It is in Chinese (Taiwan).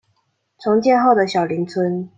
重建後的小林村